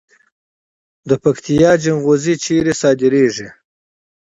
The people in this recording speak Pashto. د پکتیا جلغوزي چیرته صادریږي؟